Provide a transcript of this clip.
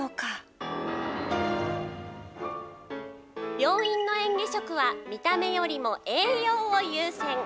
病院の嚥下食は、見た目よりも栄養を優先。